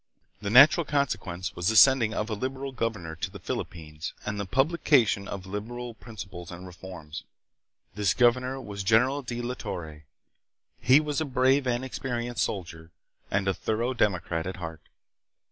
The natural consequence was the sending of a liberal governor to the Philippines and the publication of liberal principles and reforms. This governor was General de la Torre. He was a brave and experienced soldier and a thorough democrat at heart.